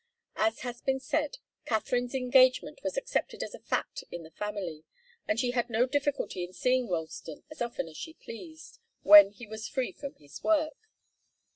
As has been said, Katharine's engagement was accepted as a fact in the family, and she had no difficulty in seeing Ralston as often as she pleased, when he was free from his work.